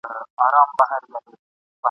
نر دي بولمه زاهده که دي ټینګ کړ ورته ځان ..